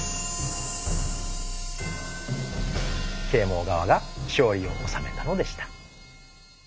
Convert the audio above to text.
啓蒙側が勝利を収めたのでした。